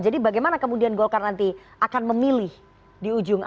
jadi bagaimana kemudian golkar nanti akan memilih di ujung